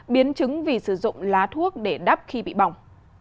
biến chứng vì sử dụng lá thuốc để đắp khi bị bỏng